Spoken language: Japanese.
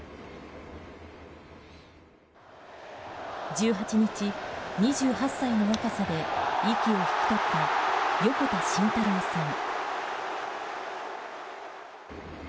１８日、２８歳の若さで息を引き取った横田慎太郎さん。